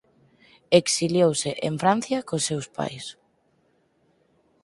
Exiliouse en Francia cos seus pais.